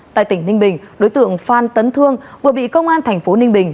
tại tỉnh ninh bình đối tượng phan tấn thương vừa bị công an thành phố ninh bình